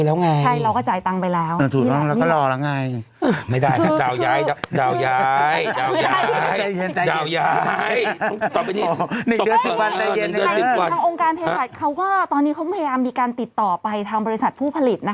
และทางองค์การรบภัยเขาก็ต็อมพยายามติดต่อไปทางบริษัทผู้ผลิต